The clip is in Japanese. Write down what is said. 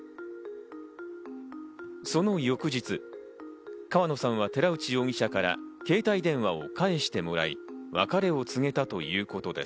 その翌日、川野さんは寺内容疑者から携帯電話を返してもらい、別れを告げたということです。